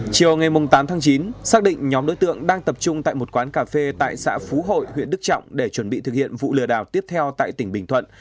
chiều ngày tám tháng chín xác định nhóm đối tượng đang tập trung tại một quán cà phê tại xã phú hội huyện đức trọng để chuẩn bị thực hiện vụ lừa đảo tiếp theo tại tỉnh bình thuận